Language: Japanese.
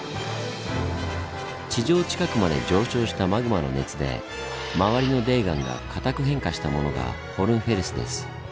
地上近くまで上昇したマグマの熱で周りの泥岩がかたく変化したものがホルンフェルスです。